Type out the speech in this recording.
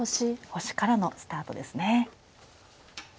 星からのスタートですね。